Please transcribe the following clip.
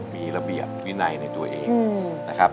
มีระเบียบวินัยในตัวเองนะครับ